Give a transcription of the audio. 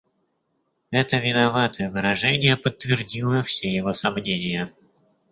Это виноватое выражение подтвердило все его сомнения.